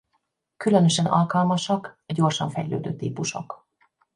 Különösen alkalmasak a gyorsan fejlődő típusok.